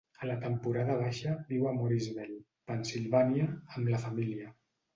A la temporada baixa, viu a Murrysville, Pennsilvània, amb la família.